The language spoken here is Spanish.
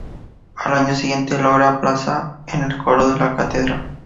Al año siguiente logra plaza en el coro de la catedral.